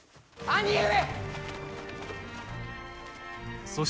兄上！